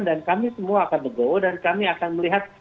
dan kami semua akan negowo dan kami akan melihat